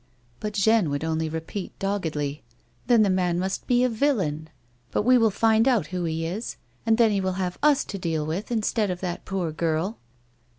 But Jeanne would only repeat, doggedly, " Then the man must be a villain ; but we will find out who he is, and then he will have \is to deal with instead of that poor girl."